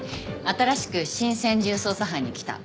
新しく新専従捜査班に来た。